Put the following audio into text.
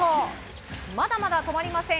まだまだ止まりません。